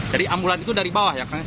jadi ambulans itu dari bawah ya kang